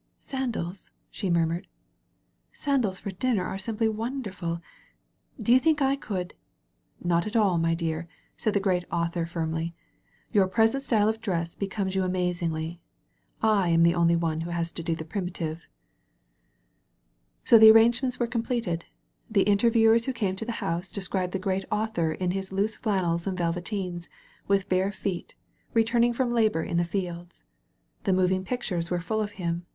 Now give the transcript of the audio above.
"Sandals," she murmured, "sandals for dinner are simply wonderful. Do you think I could " "Not at all, my dear," said the Great Author firmly. "Your present style of dress becomes you amazingly. I am the only one who has to do the primitive." 2feo THE PRIMITIVE So the arrangements were completed^ The in terviewers who came to the house described the Great Author in his loose flannels and velveteens, with bare feet, retundng from labor in the fields. The moving pictures were full of him.